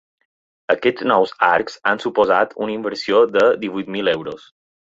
Aquests nous arcs han suposat una inversió de divuit mil euros.